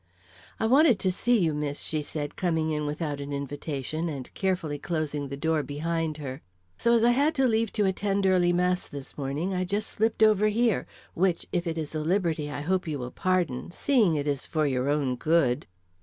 "I wanted to see you, miss," she said, coming in without an invitation, and carefully closing the door behind her. "So, as I had leave to attend early mass this morning, I just slipped over here, which, if it is a liberty, I hope you will pardon, seeing it is for your own good."